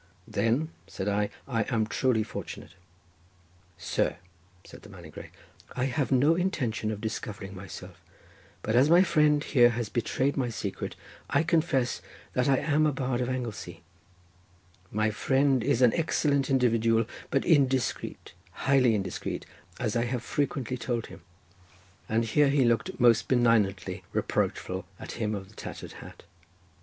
"Then," said I, "I am truly fortunate." "Sir," said the man in grey, "I had no intention of discovering myself, but as my friend here has betrayed my secret, I confess that I am a bard of Anglesey—my friend is an excellent individual but indiscreet, highly indiscreet, as I have frequently told him," and here he looked most benignantly reproachful at him of the tattered hat.